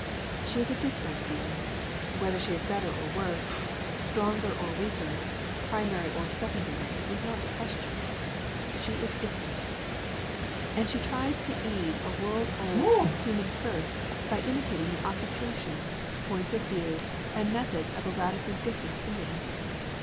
She is a different being. Whether she is better or worse, stronger or weaker, primary or secondary, is not the question. She is different. And she tries to ease a world old human curse by imitating the occupations, points of views, and methods of a radically different being.